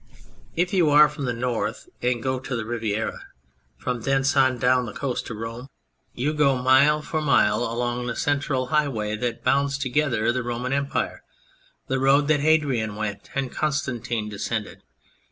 If you are from the North and go to the Riviera from thence on, down the coast to Rome, you go 129 K On Anything mile for mile along the central highway that bound together the Roman Empire, the road that Hadrian went and Coiistantine descended.